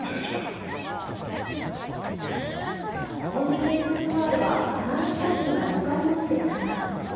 コンビニエンスストアでは棚の商品が床に落ちて散乱。